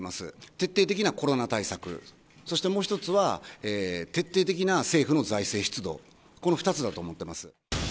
徹底的なコロナ対策、そしてもう一つは、徹底的な政府の財政出動、この２つだと思ってます。